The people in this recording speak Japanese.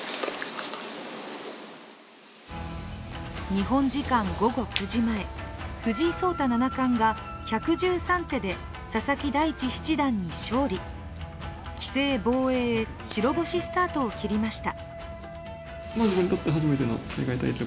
日本時間、午後９時前、藤井聡太七冠が１１３手で佐々木大地七段に勝利、棋聖防衛へ白星スタートを切りました。